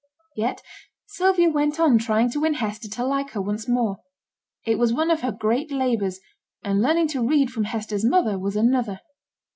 Yet Sylvia went on trying to win Hester to like her once more; it was one of her great labours, and learning to read from Hester's mother was another.